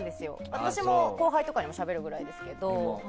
私も後輩とかにしゃべるくらいですけど。